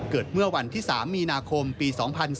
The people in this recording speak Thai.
เกิดเมื่อวันที่๓มีนาคมปี๒๔